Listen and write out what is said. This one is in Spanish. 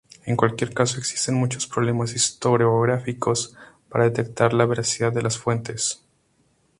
En cualquier caso existen muchos problemas historiográficos para detectar la veracidad de las fuentes.